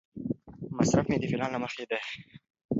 مصرف مې د پلان له مخې دی.